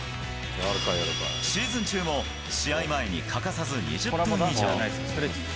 シーズン中も試合前に欠かさず２０分以上。